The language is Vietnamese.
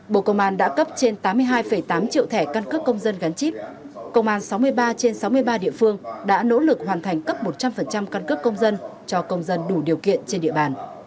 bộ công an đã cấp trên tám mươi hai tám triệu thẻ căn cước công dân gắn chip công an sáu mươi ba trên sáu mươi ba địa phương đã nỗ lực hoàn thành cấp một trăm linh căn cước công dân cho công dân đủ điều kiện trên địa bàn